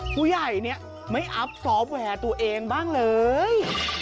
ผู้ย่ายนี่ไม่อับศอบแห่วตัวเองบ้างเลย